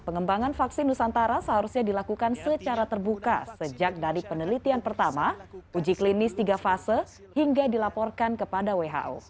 pengembangan vaksin nusantara seharusnya dilakukan secara terbuka sejak dari penelitian pertama uji klinis tiga fase hingga dilaporkan kepada who